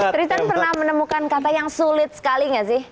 tristen pernah menemukan kata yang sulit sekali nggak sih